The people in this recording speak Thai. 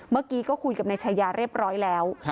เมื่อกี้ก็คุยกับนายชายาเรียบร้อยแล้ว